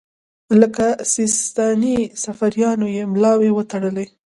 لکه سیستاني صفاریانو یې ملاوې وتړلې.